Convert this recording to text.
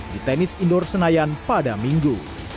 di tenis indoor senayan pada minggu